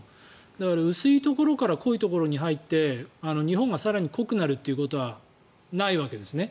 だから、薄いところから濃いところに入って日本が更に濃くなるということはないわけですね。